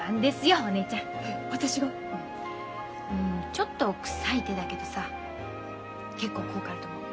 ちょっとくさい手だけどさ結構効果あると思う。